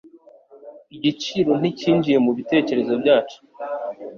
Igiciro nticyinjiye mubitekerezo byacu